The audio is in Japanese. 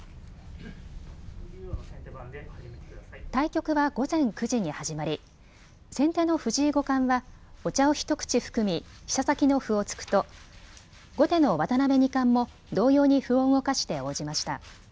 対局は午前９時に始まり先手の藤井五冠はお茶を一口含み飛車先の歩を突くと後手の渡辺二冠も同様に歩を動かして応じました。